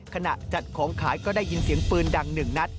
ขณะจัดของขายก็ได้ยินเสียงปืนดัง๑นัด